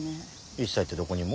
一切ってどこにも？